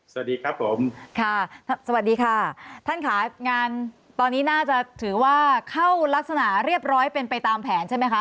สวัสดีครับผมค่ะสวัสดีค่ะท่านค่ะงานตอนนี้น่าจะถือว่าเข้ารักษณะเรียบร้อยเป็นไปตามแผนใช่ไหมคะ